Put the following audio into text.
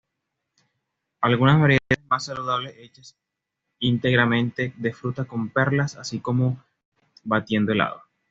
Algunas variedades más saludables hechas íntegramente de fruta con perlas, así como batiendo helado.